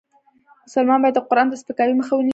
مسلمان باید د قرآن د سپکاوي مخه ونیسي .